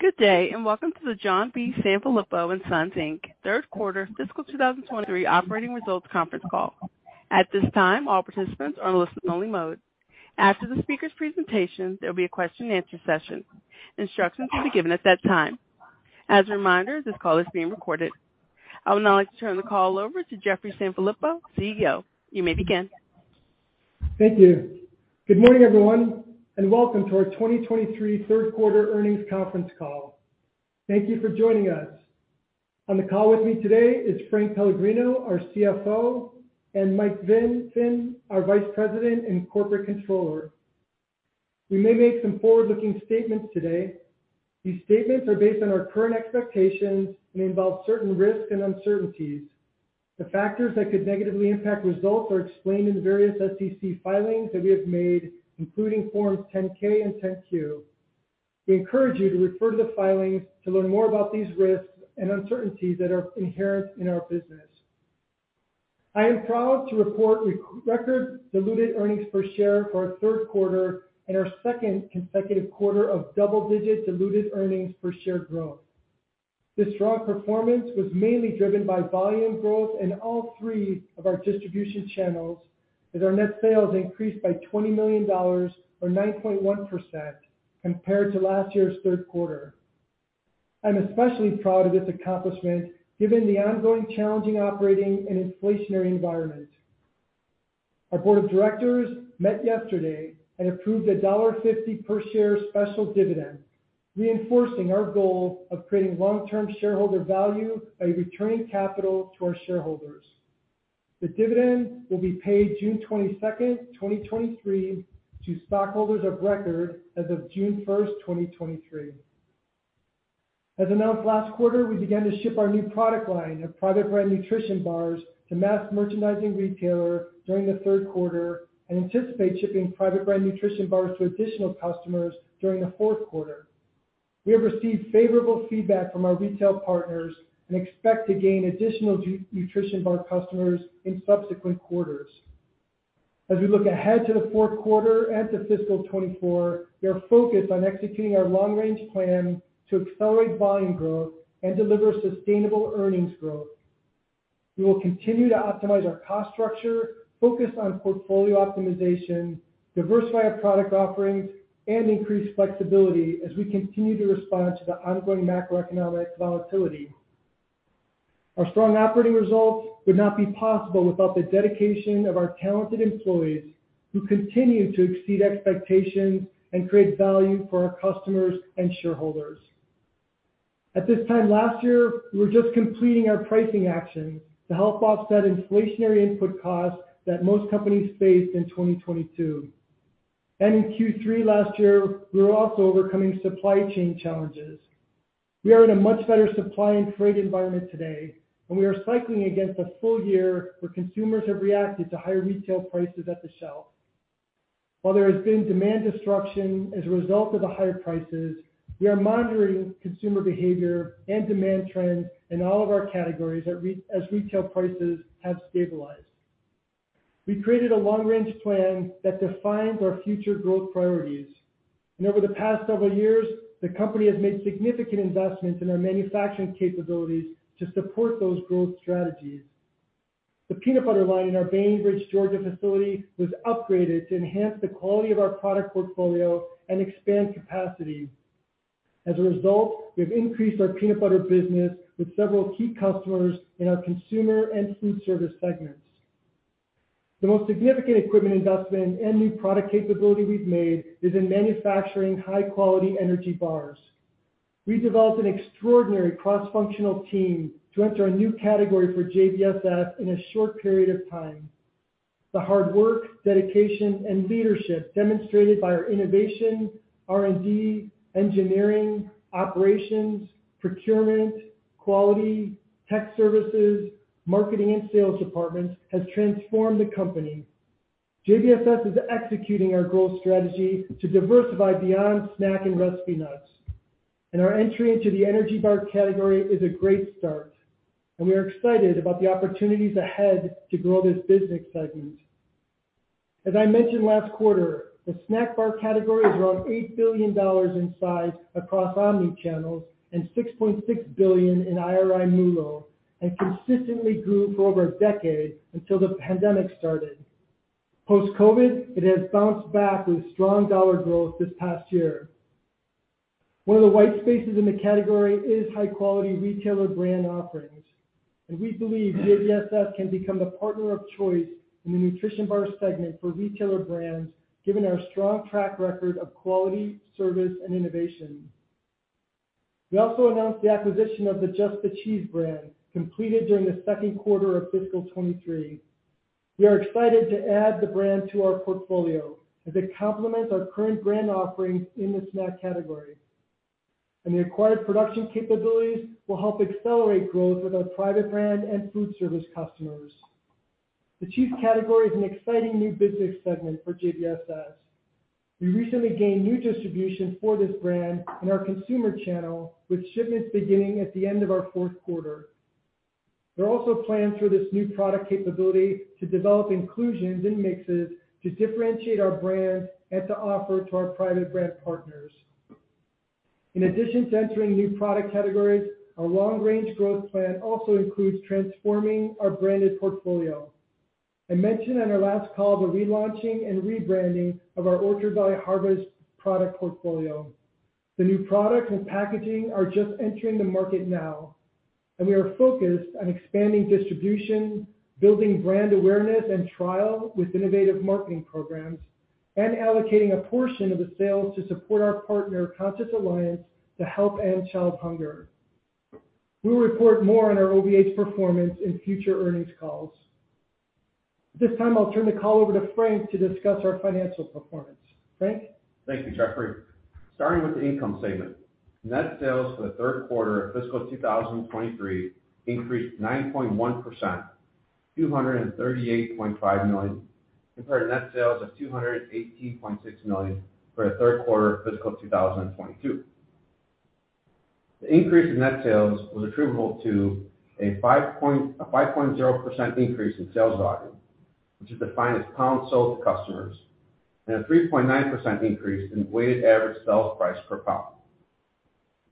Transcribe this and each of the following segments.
Good day, and welcome to the John B. Sanfilippo & Son, quarter fiscal 2023 operating results conference call. At this time, all participants are in listen-only mode. After the speaker's presentation, there'll be a Q&A session. Instructions will be given at that time. As a reminder, this call is being recorded. I would now like to turn the call over to Jeffrey Sanfilippo, CEO. You may begin. Thank you. Good morning, everyone, and welcome to our 2023 quarter earnings conference call. Thank you for joining us. On the call with me today is Frank Pellegrino, our CFO, and Michael J. Finn, our Vice President and Corporate Controller. We may make some forward-looking statements today. These statements are based on our current expectations and may involve certain risks and uncertainties. The factors that could negatively impact results are explained in the various SEC filings that we have made, including Forms 10-K and 10-Q. We encourage you to refer to the filings to learn more about these risks and uncertainties that are inherent in our business. I am proud to report record diluted earnings per share for our quarter and our second quarter of double-digit diluted earnings per share growth. This strong performance was mainly driven by volume growth in all three of our distribution channels, as our net sales increased by $20 million or 9.1% compared to last year's quarter. I'm especially proud of this accomplishment given the ongoing challenging operating and inflationary environment. Our board of directors met yesterday and approved a $1.50 per share special dividend, reinforcing our goal of creating long-term shareholder value by returning capital to our shareholders. The dividend will be paid June 22, 2023 to stockholders of record as of June 1, 2023. As announced quarter, we began to ship our new product line of private brand nutrition bars to mass merchandising retailer during the quarter and anticipate shipping private brand nutrition bars to additional customers during the fourth quarter. We have received favorable feedback from our retail partners and expect to gain additional nutrition bar customers in quarters. As we look ahead to the quarter and fiscal 2024, we are focused on executing our long-range plan to accelerate volume growth and deliver sustainable earnings growth. We will continue to optimize our cost structure, focus on portfolio optimization, diversify our product offerings, and increase flexibility as we continue to respond to the ongoing macroeconomic volatility. Our strong operating results would not be possible without the dedication of our talented employees, who continue to exceed expectations and create value for our customers and shareholders. At this time last year, we were just completing our pricing actions to help offset inflationary input costs that most companies faced in 2022. In Q3 last year, we were also overcoming supply chain challenges. We are in a much better supply and trade environment today, and we are cycling against a full year where consumers have reacted to higher retail prices at the shelf. While there has been demand destruction as a result of the higher prices, we are monitoring consumer behavior and demand trends in all of our categories as retail prices have stabilized. We've created a long-range plan that defines our future growth priorities. Over the past several years, the company has made significant investments in our manufacturing capabilities to support those growth strategies. The peanut butter line in our Bainbridge, Georgia, facility was upgraded to enhance the quality of our product portfolio and expand capacity. As a result, we've increased our peanut butter business with several key customers in our consumer and food service segments. The most significant equipment investment and new product capability we've made is in manufacturing high-quality energy bars. We developed an extraordinary cross-functional team to enter a new category for JBSS in a short period of time. The hard work, dedication, and leadership demonstrated by our innovation, R&D, engineering, operations, procurement, quality, tech services, marketing, and sales departments has transformed the company. JBSS is executing our growth strategy to diversify beyond snack and recipe nuts, our entry into the energy bar category is a great start, and we are excited about the opportunities ahead to grow this business segment. As I mentioned quarter, the snack bar category is around $8 billion in size across omnichannels and $6.6 billion in IRI MULO and consistently grew for over a decade until the pandemic started. Post-COVID, it has bounced back with strong dollar growth this past year. One of the white spaces in the category is high-quality retailer brand offerings. We believe JBSS can become the partner of choice in the nutrition bar segment for retailer brands, given our strong track record of quality, service, and innovation. We also announced the acquisition of the Just The Cheese brand completed during the fiscal 23. We are excited to add the brand to our portfolio as it complements our current brand offerings in the snack category. The acquired production capabilities will help accelerate growth with our private brand and food service customers. The cheese category is an exciting new business segment for JBSS. We recently gained new distribution for this brand in our consumer channel with shipments beginning at the end of our quarter. There are also plans for this new product capability to develop inclusions and mixes to differentiate our brand and to offer to our private brand partners. In addition to entering new product categories, our long range growth plan also includes transforming our branded portfolio. I mentioned on our last call the relaunching and rebranding of our Orchard Valley Harvest product portfolio. The new product and packaging are just entering the market now, and we are focused on expanding distribution, building brand awareness and trial with innovative marketing programs, and allocating a portion of the sales to support our partner, Conscious Alliance, to help end child hunger. We will report more on our OVH performance in future earnings calls. At this time, I'll turn the call over to Frank to discuss our financial performance. Frank? Thank you, Jeffrey. Starting with the income statement. Net sales for the fiscal 2023 increased 9.1%, $238.5 million, compared to net sales of $218.6 million for the fiscal 2022. The increase in net sales was attributable to a 5.0% increase in sales volume, which is defined as pounds sold to customers, and a 3.9% increase in weighted average sales price per pound.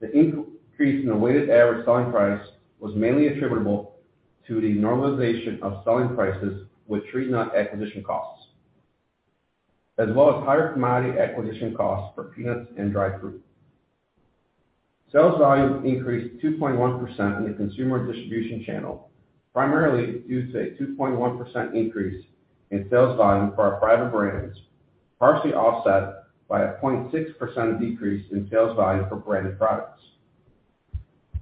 The increase in the weighted average selling price was mainly attributable to the normalization of selling prices with tree nut acquisition costs, as well as higher commodity acquisition costs for peanuts and dried fruit. Sales volume increased 2.1% in the consumer distribution channel, primarily due to a 2.1% increase in sales volume for our private brands, partially offset by a 0.6% decrease in sales volume for branded products.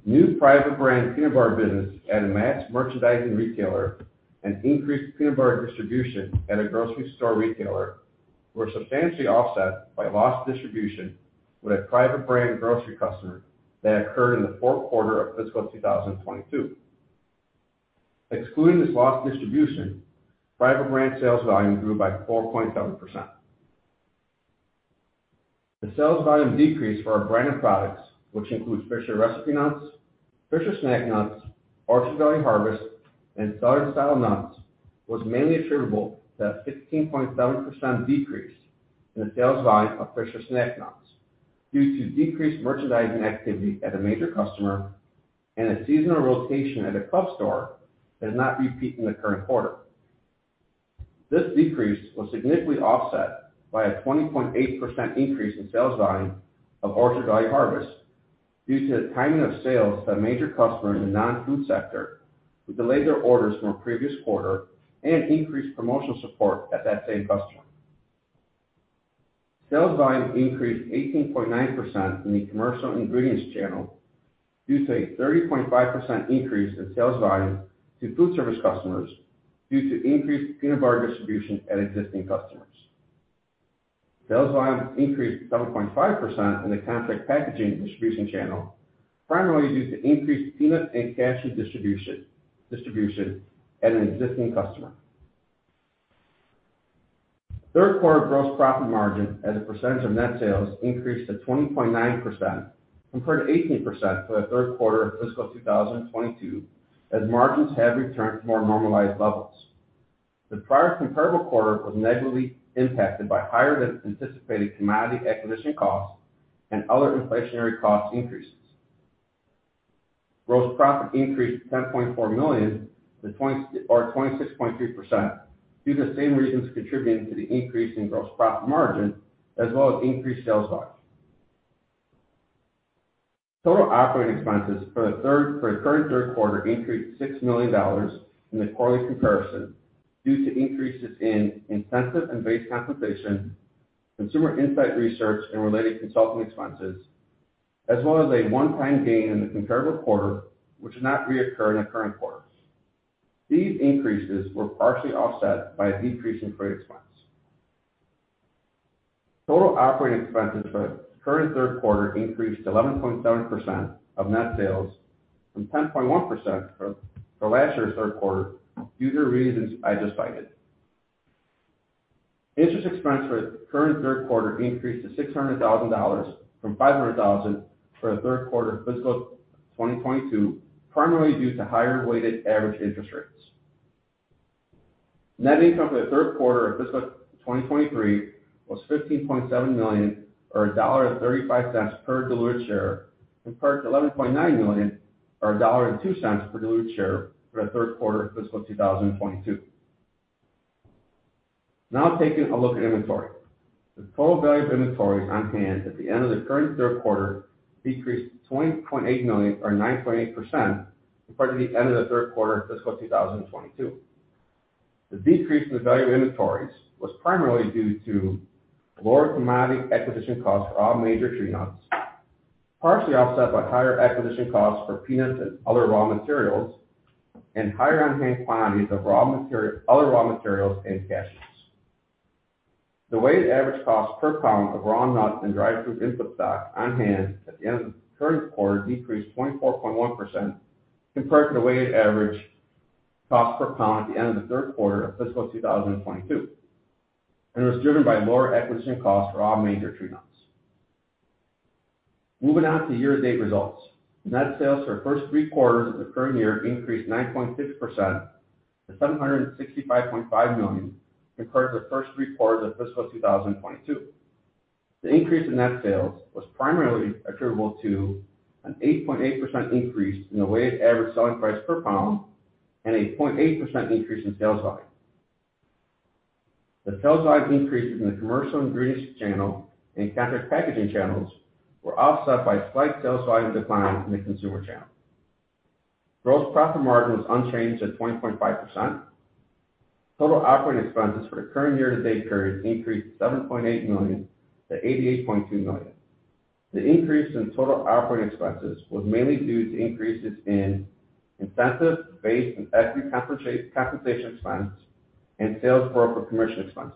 New private brand peanut bar business at a mass merchandising retailer and increased peanut bar distribution at a grocery store retailer were substantially offset by lost distribution with a private brand grocery customer that occurred in the fiscal 2022. Excluding this lost distribution, private brand sales volume grew by 4.7%. The sales volume decrease for our branded products, which includes Fisher Recipe Nuts, Fisher snack nuts, Orchard Valley Harvest, and Southern Style Nuts, was mainly attributable to a 15.7% decrease in the sales volume of Fisher snack nuts due to decreased merchandising activity at a major customer and a seasonal rotation at a club store that did not repeat in the quarter. This decrease was significantly offset by a 20.8% increase in sales volume of Orchard Valley Harvest due to the timing of sales to a major customer in the non-food sector who delayed their orders from a quarter and increased promotional support at that same customer. Sales volume increased 18.9% in the commercial ingredients channel due to a 30.5% increase in sales volume to food service customers due to increased peanut bar distribution at existing customers. Sales volume increased 7.5% in the contract packaging distribution channel, primarily due to increased peanut and cashew distribution at an existing customer. quarter gross profit margin as a percentage of net sales increased to 20.9% compared to 18% for the fiscal 2022, as margins have returned to more normalized levels. The prior quarter was negatively impacted by higher than anticipated commodity acquisition costs and other inflationary cost increases. Gross profit increased $10.4 million or 26.3% due to the same reasons contributing to the increase in gross profit margin as well as increased sales volume. Total OpEx for the current quarter increased $6 million in quarterly comparison due to increases in incentive and base compensation, consumer insight research, and related consulting expenses, as well as a one-time gain in the quarter, which did not reoccur in the quarter. These increases were partially offset by a decrease in freight expense. Total OpEx for the current quarter increased 11.7% of net sales from 10.1% for last year's quarter due to the reasons I just cited. Interest expense for the current quarter increased to $600,000 from $500,000 for the fiscal 2022, primarily due to higher weighted average interest rates. Net income for the fiscal 2023 was $15.7 million or $1.35 per diluted share, compared to $11.9 million or $1.02 per diluted share for the fiscal 2022. Taking a look at inventory. The total value of inventories on hand at the end of the current quarter decreased to $20.8 million or 9.8% compared to the end of the fiscal 2022. The decrease in the value of inventories was primarily due to lower commodity acquisition costs for all major tree nuts, partially offset by higher acquisition costs for peanuts and other raw materials, and higher on-hand quantities of other raw materials and cashews. The weighted average cost per pound of raw nuts and dried fruit input stock on hand at the end of the quarter decreased 24.1% compared to the weighted average cost per pound at the end of the fiscal 2022, and was driven by lower acquisition costs for all major tree nuts. Moving on to year-to-date results. Net sales for the first quarters of the current year increased 9.5% to $765.5 million compared to the first fiscal 2022. The increase in net sales was primarily attributable to an 8.8% increase in the weighted average selling price per pound and a 0.8% increase in sales volume. The sales volume increases in the commercial ingredients channel and contract packaging channels were offset by a slight sales volume decline in the consumer channel. Gross profit margin was unchanged at 20.5%. Total OpEx for the current year-to-date period increased $7.8 million to $88.2 million. The increase in total OpEx was mainly due to increases in incentive-based and equity compensation expense and sales broker commission expenses.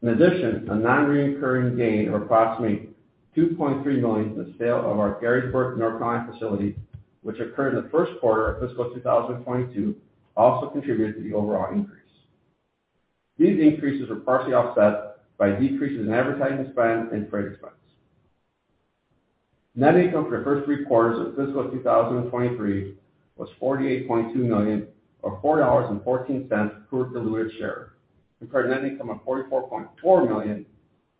In addition, a non-reoccurring gain of approximately $2.3 million from the sale of our Garysburg facility, which occurred in the fiscal 2022, also contributed to the overall increase. These increases were partially offset by decreases in advertising spend and freight expense. Net income for the first fiscal 2023 was $48.2 million, or $4.14 per diluted share, compared to net income of $44.4 million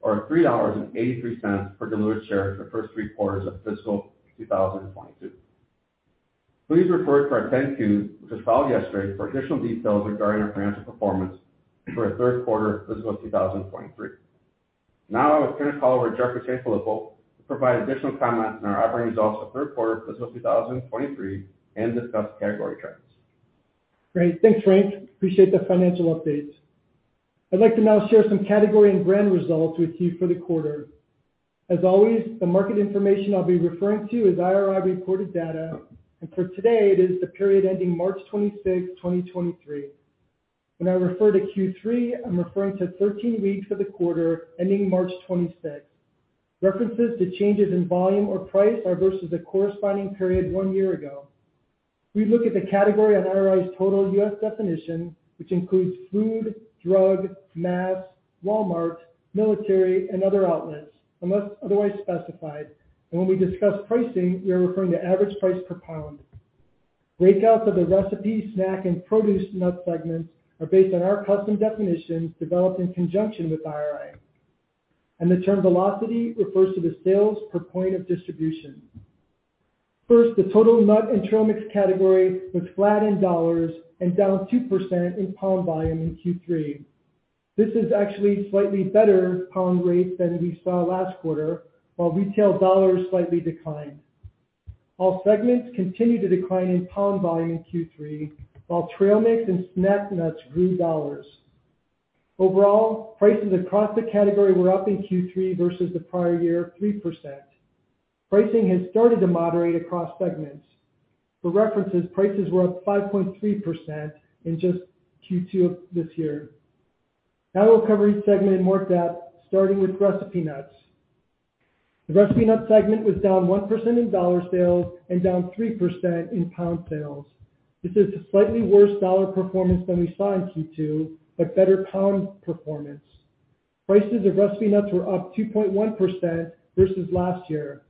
or $3.83 per diluted share in the first fiscal 2022. Please refer to our 10-Q, which was filed yesterday for additional details regarding our financial performance for the fiscal 2023. Now I would turn it over to Jeffrey Sanfilippo to provide additional comment on our operating results for the fiscal 2023 and discuss category trends. Great. Thanks, Frank. Appreciate the financial update. I'd like to now share some category and brand results we achieved for quarter. As always, the market information I'll be referring to is IRI reported data, and for today it is the period ending March 26th, 2023. When I refer to Q3, I'm referring to 13 weeks for quarter ending March 26th. References to changes in volume or price are versus the corresponding period one year ago. We look at the category on IRI's total U.S. definition, which includes food, drug, mass, Walmart, military, and other outlets, unless otherwise specified. When we discuss pricing, we are referring to average price per pound. Breakouts of the recipe, snack, and produce nut segments are based on our custom definitions developed in conjunction with IRI. The term velocity refers to the sales per point of distribution. First, the total nut and trail mix category was flat in dollars and down 2% in pound volume in Q3. This is actually a slightly better pound rate than we saw quarter, while retail dollars slightly declined. All segments continued to decline in pound volume in Q3, while trail mix and snack nuts grew dollars. Overall, prices across the category were up in Q3 versus the prior year, 3%. Pricing has started to moderate across segments. For reference, prices were up 5.3% in just Q2 of this year. Now we'll cover each segment in more depth, starting with recipe nuts. The recipe nut segment was down 1% in dollar sales and down 3% in pound sales. This is a slightly worse dollar performance than we saw in Q2, but better pound performance. Prices of recipe nuts were up 2.1% versus last year.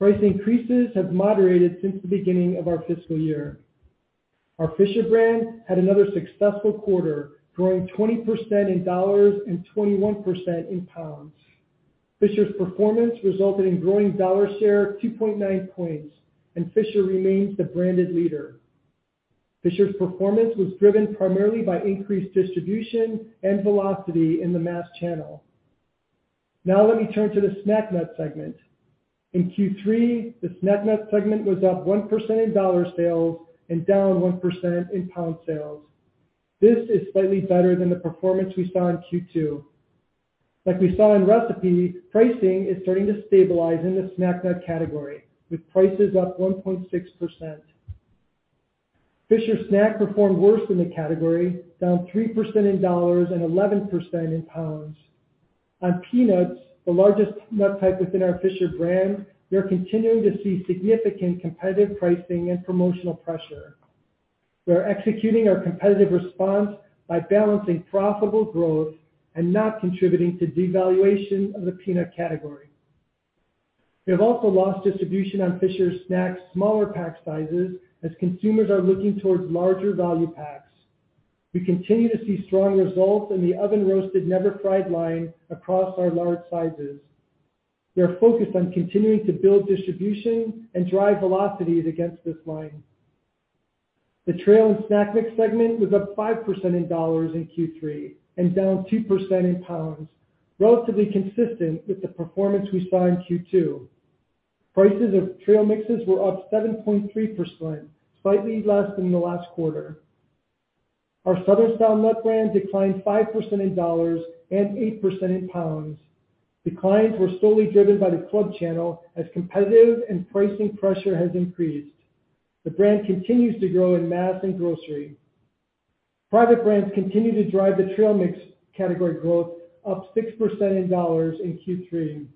Price increases have moderated since the beginning of fiscal year. Our Fisher brand had another quarter, growing 20% in dollars and 21% in pounds. Fisher's performance resulted in growing dollar share 2.9 points, and Fisher remains the branded leader. Fisher's performance was driven primarily by increased distribution and velocity in the mass channel. Let me turn to the snack nut segment. In Q3, the snack nut segment was up 1% in dollar sales and down 1% in pound sales. This is slightly better than the performance we saw in Q2. Like we saw in recipe, pricing is starting to stabilize in the snack nut category, with prices up 1.6%. Fisher snack performed worse than the category, down 3% in dollars and 11% in pounds. On peanuts, the largest nut type within our Fisher brand, we are continuing to see significant competitive pricing and promotional pressure. We are executing our competitive response by balancing profitable growth and not contributing to devaluation of the peanut category. We have also lost distribution on Fisher snack's smaller pack sizes as consumers are looking towards larger value packs. We continue to see strong results in the oven-roasted never fried line across our large sizes. We are focused on continuing to build distribution and drive velocities against this line. The trail and snack mix segment was up 5% in dollars in Q3 and down 2% in pounds, relatively consistent with the performance we saw in Q2. Prices of trail mixes were up 7.3%, slightly less than the quarter. Our Southern Style Nuts brand declined 5% in dollars and 8% in pounds. Declines were solely driven by the club channel as competitive and pricing pressure has increased. The brand continues to grow in mass and grocery. Private brands continue to drive the trail mix category growth, up 6% in dollars in Q3.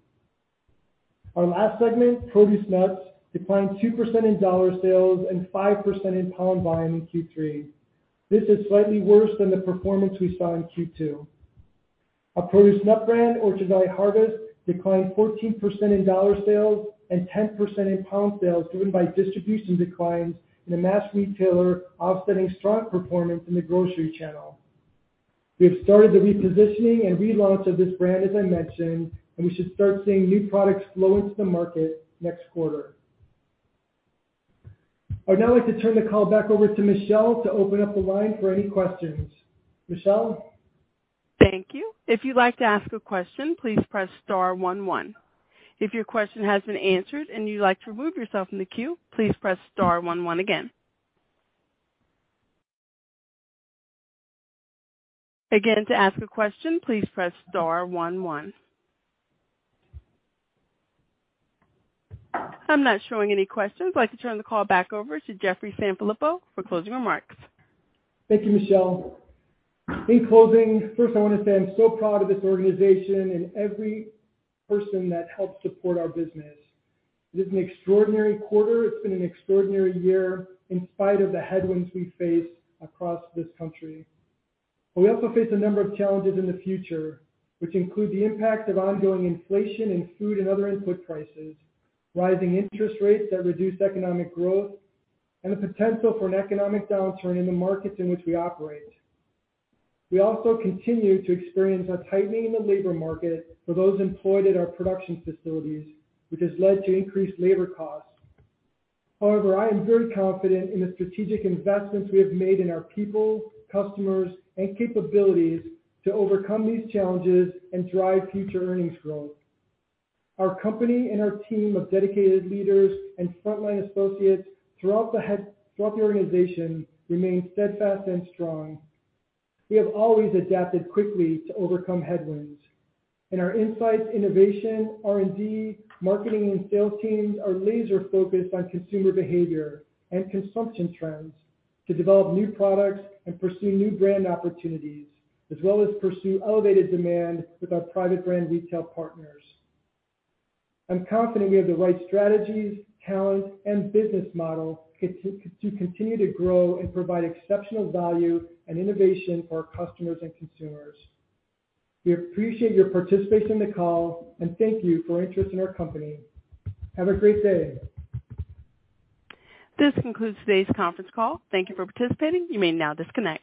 Our last segment, produce nuts, declined 2% in dollar sales and 5% in pound volume in Q3. This is slightly worse than the performance we saw in Q2. Our produce nut brand, Orchard Valley Harvest, declined 14% in dollar sales and 10% in pound sales driven by distribution declines in the mass retailer offsetting strong performance in the grocery channel. We have started the repositioning and relaunch of this brand, as I mentioned, and we should start seeing new products flow into the market quarter. I'd now like to turn the call back over to Michelle to open up the line for any questions. Michelle? Thank you. If you'd like to ask a question, please press star one one. If your question has been answered and you'd like to remove yourself from the queue, please press star one one again. Again, to ask a question, please press star one one. I'm not showing any questions. I'd like to turn the call back over to Jeffrey Sanfilippo for closing remarks. Thank you, Michelle. In closing, first, I wanna say I'm so proud of this organization and every person that helps support our business. It is an quarter. It's been an extraordinary year in spite of the headwinds we face across this country. We also face a number of challenges in the future, which include the impact of ongoing inflation in food and other input prices, rising interest rates that reduce economic growth, and the potential for an economic downturn in the markets in which we operate. We also continue to experience a tightening in the labor market for those employed at our production facilities, which has led to increased labor costs. However, I am very confident in the strategic investments we have made in our people, customers, and capabilities to overcome these challenges and drive future earnings growth. Our company and our team of dedicated leaders and frontline associates throughout the organization remain steadfast and strong. Our insights, innovation, R&D, marketing, and sales teams are laser focused on consumer behavior and consumption trends to develop new products and pursue new brand opportunities, as well as pursue elevated demand with our private brand retail partners. I'm confident we have the right strategies, talent, and business model to continue to grow and provide exceptional value and innovation for our customers and consumers. We appreciate your participation in the call. Thank you for interest in our company. Have a great day. This concludes today's conference call. Thank you for participating. You may now disconnect.